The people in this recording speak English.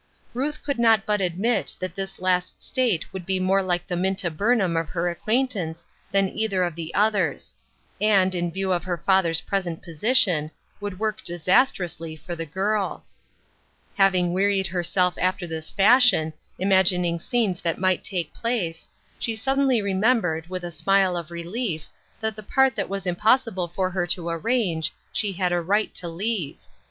Ruth could not but admit that this last state would be more like the Minta Burnham of her acquaintance than either of the others ; and, in view of her father's present position, would work disastrously for the girl. Having wearied herself after this fashion, im agining scenes that might take place, she suddenly remembered, with a smile of relief, that the part that it was impossible for her to arrange, she had a right to leave.